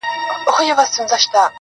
o چاته د يار خبري ډيري ښې دي.a